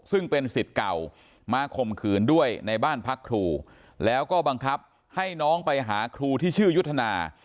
ซึ่งเป็นสิทธิ์เก่ามาข่มขืนด้วยในบ้านพักครูแล้วก็บังคับให้น้องไปหาครูที่ชื่อยุทธนา